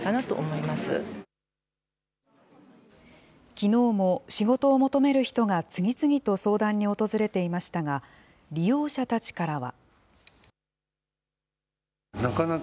きのうも、仕事を求める人が次々と相談に訪れていましたが、利用者たちからは。